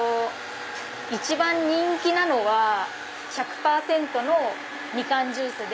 一番人気なのは１００％のみかんジュースで。